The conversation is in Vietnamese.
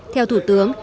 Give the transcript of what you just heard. theo thủ tướng